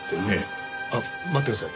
あっ待ってください。